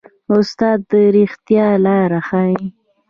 استاد د ریښتیا لاره ښيي.